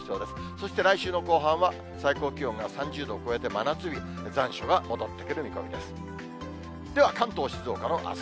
そして来週の後半は、最高気温が３０度を超えて真夏日、残暑が戻ってくる見込みです。